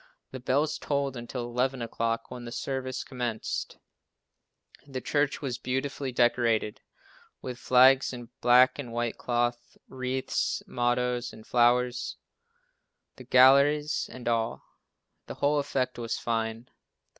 The bells tolled until eleven o'clock, when the services commenced. The church was beautifully decorated with flags and black and white cloth, wreaths, mottoes and flowers, the galleries and all. The whole effect was fine.